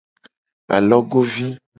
Alogovi.